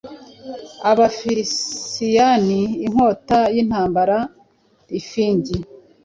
Abafrisiyani inkota yintambara Láfingi